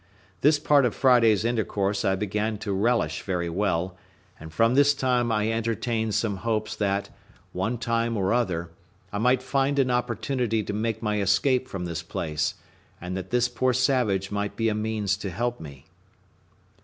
This part of Friday's discourse I began to relish very well; and from this time I entertained some hopes that, one time or other, I might find an opportunity to make my escape from this place, and that this poor savage might be a means to help me.